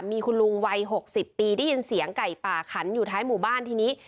มีคุณลุงวัย๖๐ปีได้ยินเสียงไก่ป่าขันอยู่ท้ายหมู่บ้านทีนี้